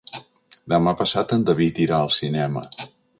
Demà passat en David irà al cinema.